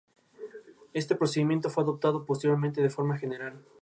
Este procedimiento fue adoptado posteriormente de forma general.